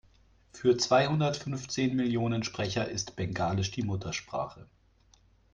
Für zweihundertfünfzehn Millionen Sprecher ist Bengalisch die Muttersprache.